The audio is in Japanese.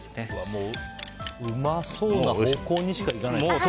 もううまそうな方向にしかいかない。